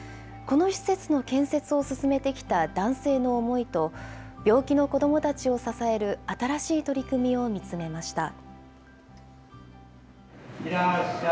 この施設の建設を進めてきた男性の思いと、病気の子どもたちを支える新しい取り組みを見つめました。